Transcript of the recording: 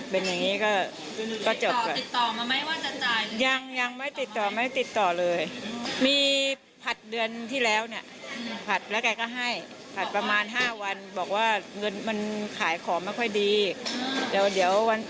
บอกประสิทธิ์เขาจะให้ทุกวันที่ห้าแล้วก็ให้วันที่สิบ